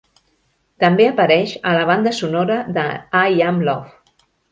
També apareix a la banda sonora de I Am Love.